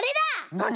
なに？